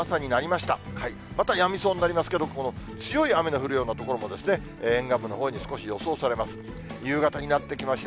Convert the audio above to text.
またやみそうになりますけれども、強い雨の降るような所も、沿岸部のほうに少し予想されます。